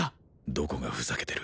どこがふざけてる？